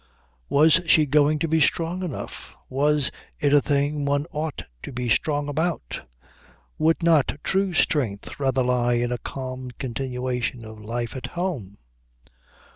Was she going to be strong enough? Was it a thing one ought to be strong about? Would not true strength rather lie in a calm continuation of life at home?